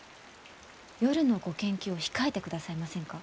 夜のご研究を控えてくださいませんか？